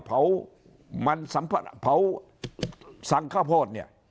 เผาสั่งเข้าโพธิ